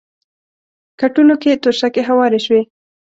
کټونو کې توشکې هوارې شوې.